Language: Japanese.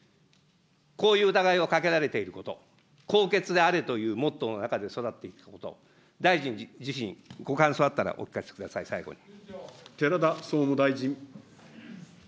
こういう疑いをかけられていること、高潔であれというモットーの中で育っていったこと、大臣自身、ご感想あったらお聞かせください、最後に。